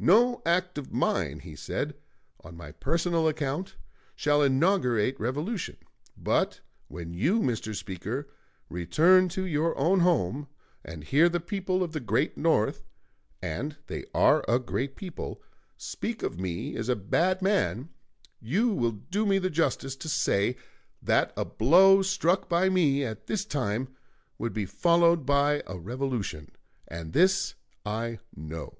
"No act of mine," he said, "on my personal account, shall inaugurate revolution; but when you, Mr. Speaker, return to your own home, and hear the people of the great North and they are a great people speak of me as a bad man, you will do me the justice to say that a blow struck by me at this time would be followed by a revolution; and this I know."